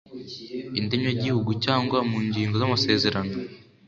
indemyagihugu cyangwa mu ngingo z amasezerano